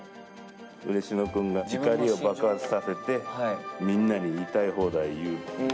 ウレシノくんが怒りを爆発させてみんなに言いたい放題言う。